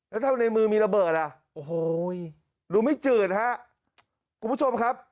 แล้วถ้าในมือมีระเบิดอ่ะโอ้โหดูไม่จืดฮะคุณผู้ชมครับ